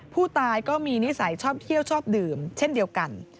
ผู้ตายก็มีนิสัยชอบเที่ยวชอบดื่มเช่นเดียวกัน